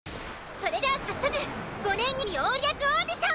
それじゃあ早速５年２組王子役オーディション！